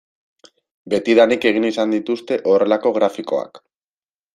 Betidanik egin izan dituzte horrelako grafikoak.